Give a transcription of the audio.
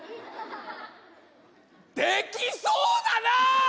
できそうだな！